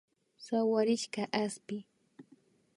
Sawarishka aspi